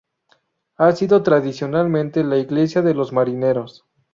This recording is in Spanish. Ha sido tradicionalmente la iglesia de los marineros.